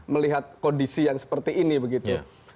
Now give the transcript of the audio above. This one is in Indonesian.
melihat kondisi yang seperti ini begitu